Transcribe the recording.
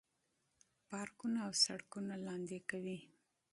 پارکونه او سړکونه لاندې کوي.